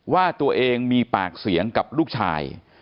ว่าตัวเองมีปากเสียงกับลูกชาย